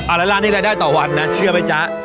แล้วร้านนี้รายได้ต่อวันนะเชื่อไหมจ๊ะ